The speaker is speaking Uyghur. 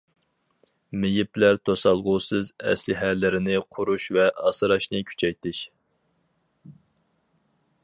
مېيىپلەر توسالغۇسىز ئەسلىھەلىرىنى قۇرۇش ۋە ئاسراشنى كۈچەيتىش.